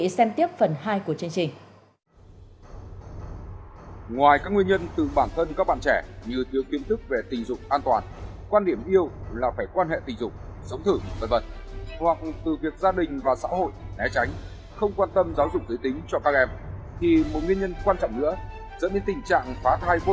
xin mời quý vị xem tiếp phần hai của chương trình